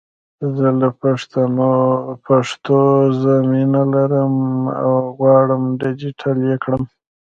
زه له پښتو زه مینه لرم او غواړم ډېجیټل یې کړم!